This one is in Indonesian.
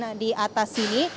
dan di atas sini